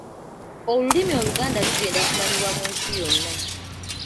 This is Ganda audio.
Olulimi Oluganda lugenda kumanyibwa mu nsi yonna.